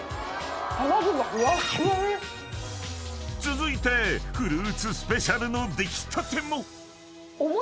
［続いてフルーツスペシャルの出来たても］